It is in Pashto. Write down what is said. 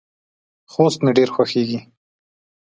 خوست مې ډیر خوښیږي.